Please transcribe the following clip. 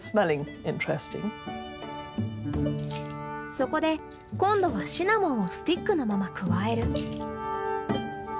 そこで今度はシナモンをスティックのまま加える。